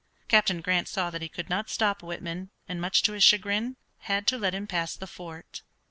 Captain Grant saw that he could not stop Whitman, and, much to his chagrin, had to let him pass the fort.